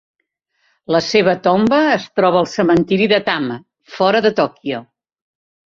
La seva tomba es troba al cementiri de Tama, fora de Tòquio.